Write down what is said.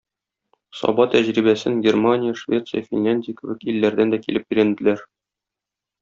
Саба тәҗрибәсен Германия, Швеция, Финляндия кебек илләрдән дә килеп өйрәнделәр.